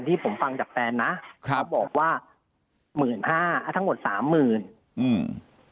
ที่ผมฟังจากแฟนนะครับเขาบอกว่าหมื่นห้าทั้งหมดสามหมื่นอืม